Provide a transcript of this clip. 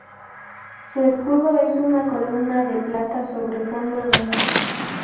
Su escudo es una columna de plata sobre fondo rojo.